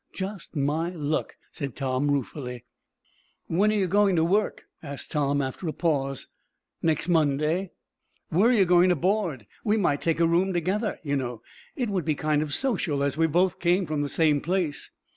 "Just my luck," said Tom, ruefully. "When are you goin' to work?" asked Tom, after a pause. "Next Monday." "Where are you going to board? We might take a room together, you know. It would be kind of social, as we both come from the same place."